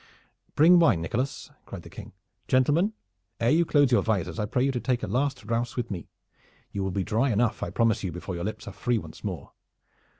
"Bring wine, Nicholas!" cried the King. "Gentlemen, ere you close your visors I pray you to take a last rouse with me. You will be dry enough, I promise you, before your lips are free once more.